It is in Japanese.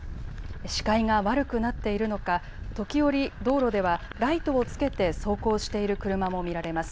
視界が悪くなっているのか時折、道路ではライトをつけて走行している車も見られます。